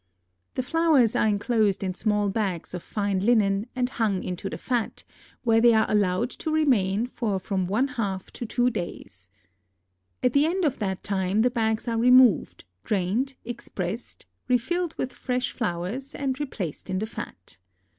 the flowers are inclosed in small bags of fine linen and hung into the fat, where they are allowed to remain for from one half to two days. At the end of that time the bags are removed, drained, expressed, refilled with fresh flowers, and replaced in the fat.